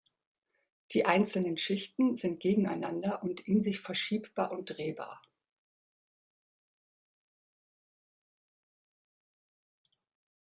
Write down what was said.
Die einzelnen Schichten sind gegeneinander und in sich verschiebbar und drehbar.